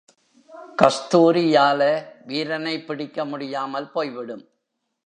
கஸ்தூரியால வீரனைப் பிடிக்க முடியாமல் போய்விடும்.